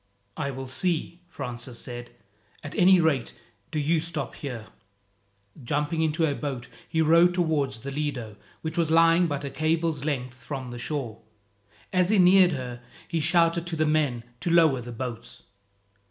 "I will see," Francis said. "At any rate, do you stop here." Jumping into a boat, he rowed towards the Lido, which was lying but a cable's length from the shore. As he neared her, he shouted to the men to lower the boats.